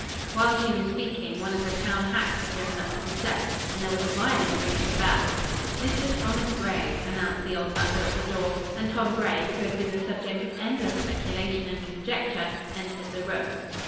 While she was speaking one of the town hacks had driven up to the steps, and there was a violent ring at the bell. "Mr. Thomas Gray," announced the old butler at the door and Tom Gray, who had been the subject of endless speculation and conjecture, entered the room.